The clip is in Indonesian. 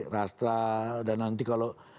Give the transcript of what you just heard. rastra dan nanti kalau